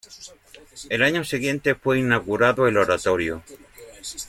El año siguiente fue inaugurado el oratorio.